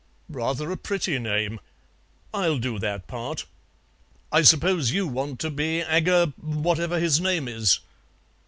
"Rather a pretty name. I'll do that part. I suppose you want to be Aga whatever his name is?"